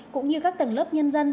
cũng như các tầng lớp nhân dân